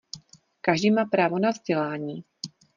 Každý má právo na vzdělání.